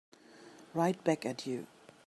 Right back at you.